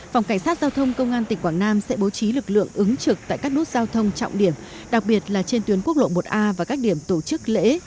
phòng cảnh sát giao thông công an tỉnh quảng nam sẽ bố trí lực lượng ứng trực tại các nút giao thông trọng điểm đặc biệt là trên tuyến quốc lộ một a và các điểm tổ chức lễ